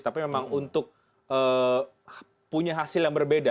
tapi memang untuk punya hasil yang berbeda